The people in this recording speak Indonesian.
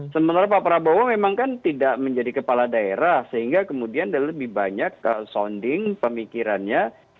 sementara pak prabowo memang kan tidak menjadi kepala daerah sehingga kemudian lebih banyak sounding pemikirannya